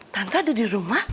tante ada di rumah